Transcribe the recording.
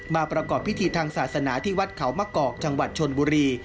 ประกอบพิธีทางศาสนาที่วัดเขามะกอกจังหวัดชนบุรี